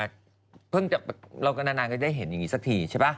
เพื่องเกี่ยวกับเราก็นานก็ได้เห็นอย่างนี้สักทีใช่ปะ